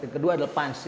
kedua adalah punch